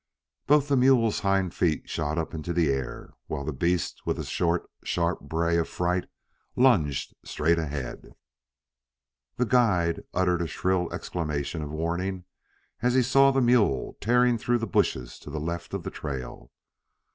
Both the mule's hind feet shot up into the air, while the beast with a short, sharp bray of fright lunged straight ahead. The guide uttered a shrill exclamation of warning as he saw the mule tearing through the bushes to the left of the trail.